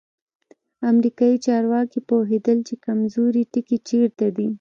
امریکایي چارواکي پوهېدل چې کمزوری ټکی چیرته دی.